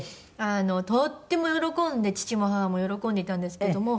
とっても喜んで父も母も喜んでいたんですけども。